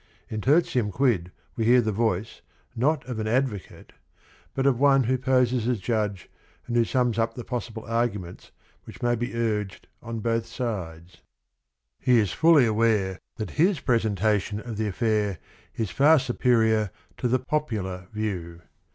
In Tertium Quid we hear the voic e, not of an advocate but of one who poses as judge and who sums up the poss ible arguments which may hpi nrgprl nn hath sides. He is fully aware that his presentation of the affair is far superior to the popular view.